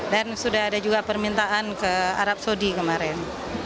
sudah ada juga permintaan ke arab saudi kemarin